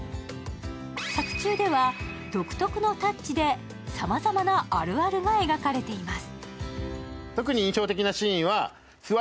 作中では、独特のタッチでさまざまなあるあるが描かれています。